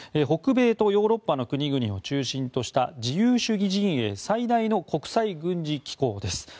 北米とヨーロッパの国々を中心とした自由主義陣営最大の国際軍事機構です。